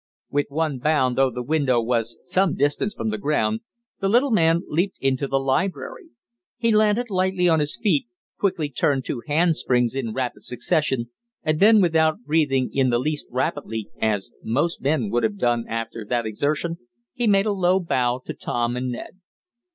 With one bound, though the window was some distance from the ground, the little man leaped into the library. He landed lightly on his feet, quickly turned two hand springs in rapid succession, and then, without breathing in the least rapidly, as most men would have done after that exertion, he made a low bow to Tom and Ned.